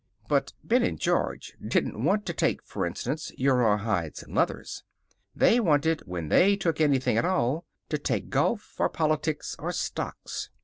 But Ben and George didn't want to take, f'rinstance, your raw hides and leathers. They wanted, when they took anything at all, to take golf, or politics, or stocks.